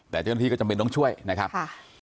แต่เจ้าหน้าที่ก็จำเป็นต้องช่วยนะครับค่ะ